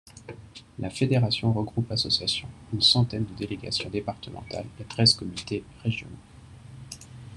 La fédération regroupe associations, une centaine de délégations départementales et treize comités régionaux.